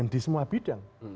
di semua bidang